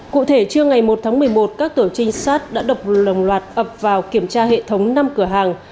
cụ thể trưa ngày một tháng một mươi một các tổ trinh sát đã lồng loạt ập vào kiểm tra hệ thống năm cửa hàng